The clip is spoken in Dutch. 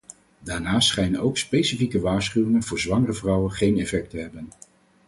Daarnaast schijnen ook specifieke waarschuwingen voor zwangere vrouwen geen effect te hebben.